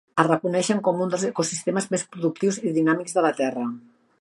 Es reconeixen com uns dels ecosistemes més productius i dinàmics de la Terra.